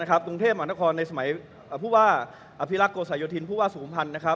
กรุงเทพมหาละครในสมัยภูวาอภิรักษ์โกสัยศิลป์ภูวาสุมพันธ์